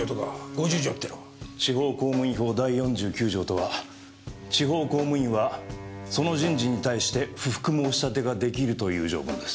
地方公務員法第４９条とは地方公務員はその人事に対して不服申し立てができるという条文です。